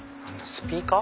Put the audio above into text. スピーカー？